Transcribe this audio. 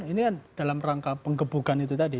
ini kan dalam rangka penggebukan itu tadi